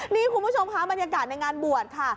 นี่คุณผู้ชมค่ะบรรยากาศในงานบวชค่ะ